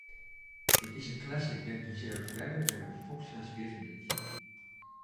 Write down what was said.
It is a classic that deserves better than what Fox has given it.